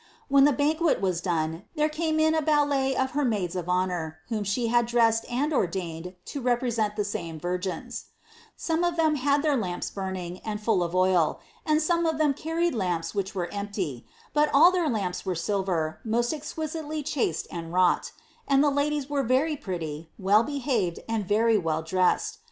When the banquet was done, there came in a ballet of her maids of honour, whom she had dressed and ordained lo represent the same vrrgins* Some of them had their lamps burning, and full of oil ; and some of them car ried lanipa which were empty; but all their lamps were silver, most ex quisitely chased and wrought ; and the ladies were very pretty, well behaved, and very well dressed.